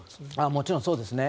もちろんそうですね。